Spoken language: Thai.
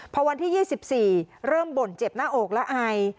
พอวันที่๒๔เริ่มบ่นเจ็บหน้าอกและไอ